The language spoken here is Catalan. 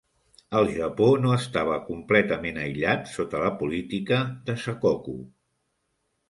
El Japó no estava completament aïllat sota la política de "sakoku".